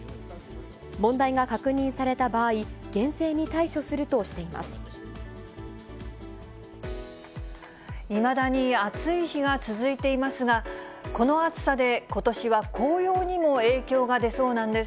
問題が確認された場合、厳正に対いまだに暑い日が続いていますが、この暑さで、ことしは紅葉にも影響が出そうなんです。